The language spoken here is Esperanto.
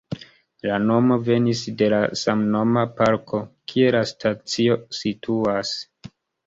La nomo venis de la samnoma parko, kie la stacio situas.